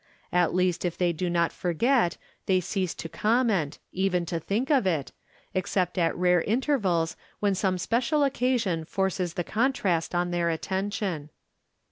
At least if they do not forget they cease to com ment — even to think of it — except at rare inter vals, when some special occasion forces the con trast on their attention.